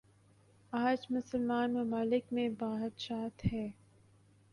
آج مسلمان ممالک میںبادشاہت ہے۔